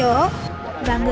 còn rồi là